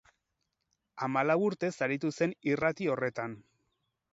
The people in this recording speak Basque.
Hamalau urtez aritu zen irrati horretan.